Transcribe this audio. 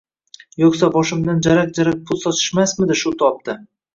Yo‘qsa, boshimdan jaraq-jaraq pul sochishmasmidi shu topda!